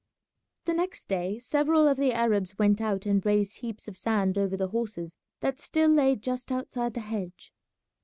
The next day several of the Arabs went out and raised heaps of sand over the horses that still lay just outside the hedge.